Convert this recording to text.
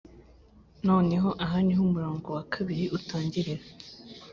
noneho aha niho umurongo wa kabiri utangirira